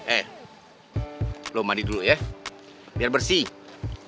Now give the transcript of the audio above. eh lo mani dulu ya biar bersih